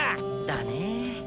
だね。